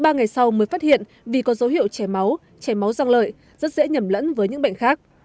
ba ngày sau mới phát hiện vì có dấu hiệu chảy máu chảy máu răng lợi rất dễ nhầm lẫn với những bệnh khác